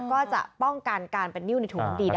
ก็จะป้องกันการเป็นนิ้วในถุงน้ำดีได้